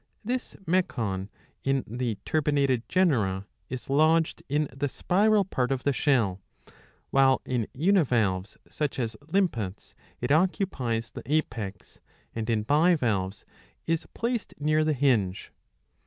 This mecon in the turbinated genera is lodged in the spiral part of the shell, while in univalves, such as limpets, it occupies the apex, and in bivalves is placed near the hinge.